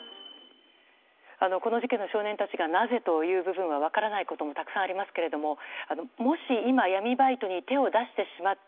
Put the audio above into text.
この事件の少年たちがなぜという分からない部分もたくさんありますけれどももし今、闇バイトに手を出してしまった。